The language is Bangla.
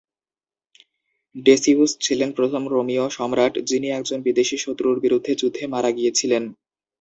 ডেসিউস ছিলেন প্রথম রোমীয় সম্রাট, যিনি একজন বিদেশি শত্রুর বিরুদ্ধে যুদ্ধে মারা গিয়েছিলেন।